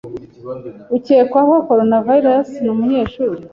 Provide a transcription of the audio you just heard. Ukekwaho coronavirus ni umunyeshuri